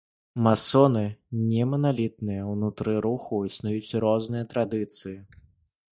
Масоны не маналітныя, унутры руху існуюць розныя традыцыі.